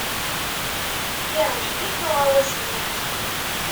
Yeɛjeb-it uɣawas-nni.